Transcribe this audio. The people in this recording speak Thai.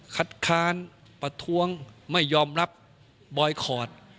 คัดค้านประท้วงไม่ยอมรับบอยคอร์ด